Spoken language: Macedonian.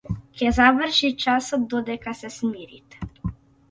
Ќе заврши часот додека се смирите.